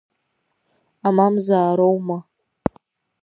Амамзаароума?